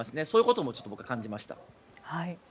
そういうことも僕は感じました。